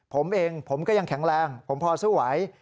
ผมเองผมก็ยังแข็งแรงผมพอสู้ไหว